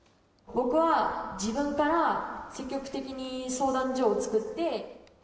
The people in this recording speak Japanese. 僕は、自分から積極的に相談所を作って。